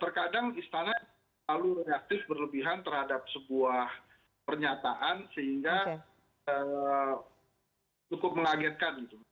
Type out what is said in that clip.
terkadang istana selalu reaktif berlebihan terhadap sebuah pernyataan sehingga cukup mengagetkan gitu